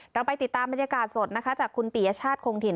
เราไปติดตามบรรยากาศสดนะคะจากคุณปียชาติคงถิ่น